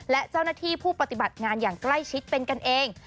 และเจ้าหน้าที่ผู้ปฏิบัติงานอย่างใกล้ชิดเป็นกันเอง